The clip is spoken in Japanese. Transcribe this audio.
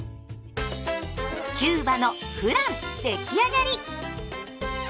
キューバのフラン出来上がり！